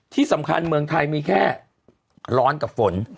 ที่สำคัญเมืองไทยมีแค่ร้อนกับฝน